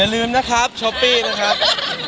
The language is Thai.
ลืมนะครับช้อปปี้นะครับ